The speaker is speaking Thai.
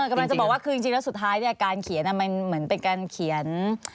กำลังจะบอกว่าคือจริงแล้วสุดท้ายการเขียนมันเหมือนเป็นการเขียน